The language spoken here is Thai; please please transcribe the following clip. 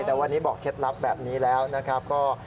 แต่วันนี้บอกเคล็ดลับแบบนี้แล้วนะครับ